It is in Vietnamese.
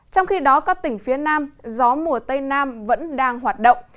trong khi đó các tỉnh phía nam gió mùa tây nam vẫn đang hoạt động